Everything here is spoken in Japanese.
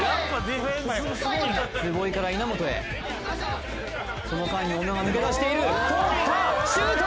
坪井から稲本へその間に小野は抜け出している通ったシュート！